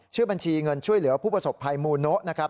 ชื่อบัญชีเงินช่วยเหลือผู้ประสบภัยมูโนะนะครับ